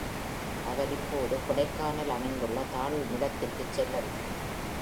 அவர் இப்போது கோடைக்கானல் அமைந்துள்ள தாழ்நிலத்திற்குச் செல்லவில்லை.